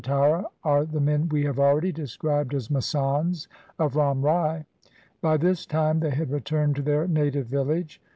208 THE SIKH RELIGION Tara are the men we have already described as masands of Ram Rai. By this time they had returned to their native village.